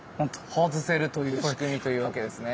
外せるという仕組みというわけですね。